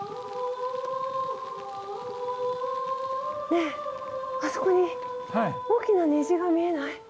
ねえあそこに大きな虹が見えない？